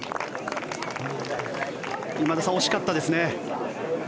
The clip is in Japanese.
今田さん、惜しかったですね。